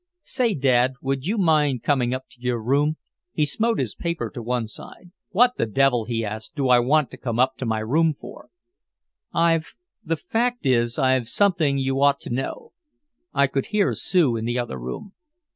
"Say, Dad would you mind coming up to your room?" He smote his paper to one side. "What the devil," he asked, "do I want to come up to my room for?" "I've the fact is I've something you ought to know." I could hear Sue in the other room.